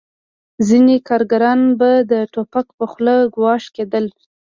ځینې کارګران به د ټوپک په خوله ګواښل کېدل